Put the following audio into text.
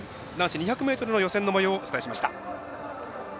２００ｍの予選のもようをお伝えしました。